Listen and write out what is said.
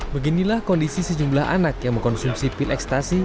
beginilah kondisi sejumlah anak yang mengkonsumsi pil ekstasi